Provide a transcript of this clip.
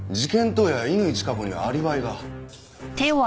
当夜乾チカ子にはアリバイが。